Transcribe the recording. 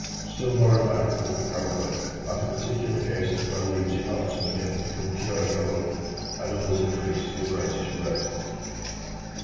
Still more remarkable, however, are the particular cases where leaves in autumn again become pure yellow, and others increase to the brightest red.